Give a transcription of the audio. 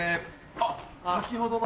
あっ先ほどの。